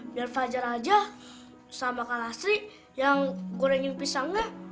biar fajar aja sama kak nasri yang gorengin pisangnya